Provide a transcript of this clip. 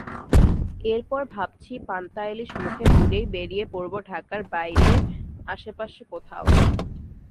এরপর ভাবছি পান্তা-ইলিশ মুখে পুরেই বেরিয়ে পড়ব ঢাকার বাইরে আশপাশে কোথাও।